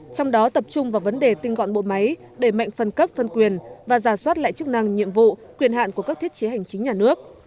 trong đó tập trung vào vấn đề tinh gọn bộ máy đẩy mạnh phân cấp phân quyền và giả soát lại chức năng nhiệm vụ quyền hạn của các thiết chế hành chính nhà nước